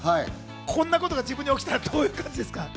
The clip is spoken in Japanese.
こんなことが自分に起きたらどういう感じですか？